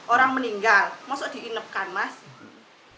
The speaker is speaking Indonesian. orang meninggal masuk diinepkan mas